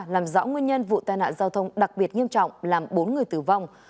làm rõ nguyên nhân vụ tai nạn giao thông đặc biệt nghiêm trọng làm bốn người tử vong